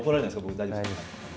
僕、大丈夫ですか。